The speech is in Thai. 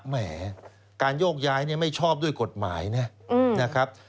แหมการโยกย้ายไม่ชอบด้วยกฎหมายนะครับ